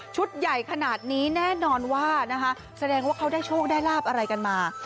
ใหญ่ขนาดนี้แน่นอนว่านะคะแสดงว่าเขาได้โชคได้ลาบอะไรกันมา